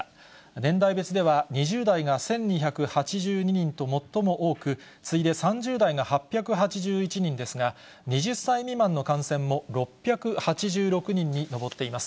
年代別では２０代が１２８２人と最も多く、次いで３０代が８８１人ですが、２０歳未満の感染も６８６人に上っています。